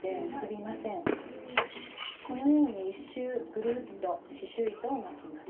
このように１周ぐるっと刺しゅう糸を巻きます。